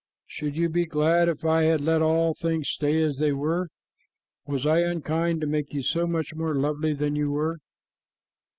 Should you be glad if I had let all things stay as they were? Was I unkind to make you so much more lovely than you were?"